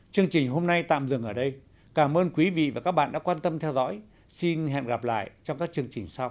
chương trình hôm nay tạm dừng ở đây cảm ơn quý vị và các bạn đã quan tâm theo dõi xin hẹn gặp lại trong các chương trình sau